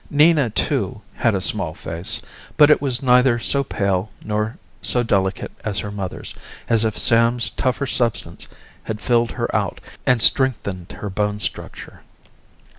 Nina, too, had a small face, but it was neither so pale nor so delicate as her mother's, as if Sam's tougher substance had filled her out and strengthened her bone structure.